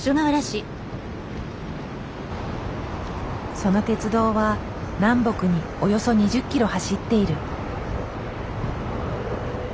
その鉄道は南北におよそ２０キロ走っている。